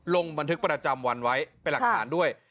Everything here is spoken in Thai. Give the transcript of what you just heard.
ลงบันทึกประจำวันไว้เป็นหลักฐานด้วย